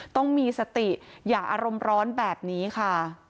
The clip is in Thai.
ต้องมีสติอย่าอารมณ์ร้อนแบบนี้ค่ะ